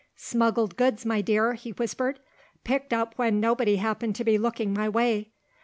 "Smuggled goods, my dear," he whispered, "picked up when nobody happened to be looking my way.